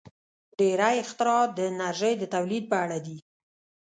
• ډېری اختراعات د انرژۍ د تولید په اړه دي.